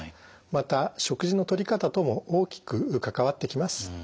また食事のとり方とも大きく関わってきます。